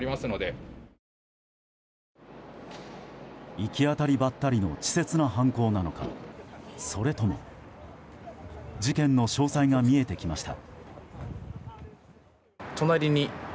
行き当たりばったりの稚拙な犯行なのか、それとも。事件の詳細が見えてきました。